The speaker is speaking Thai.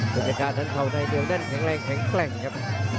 พระจังหวะทั้งเทาในเทียวนั้นแข็งแรงแข็งแคล่งครับ